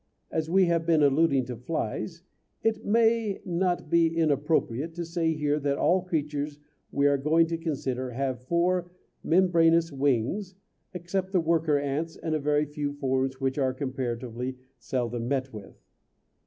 As we have been alluding to flies it may not be inappropriate to say here that all the creatures we are going to consider have four membranous wings except the worker ants and a very few forms which are comparatively seldom met with.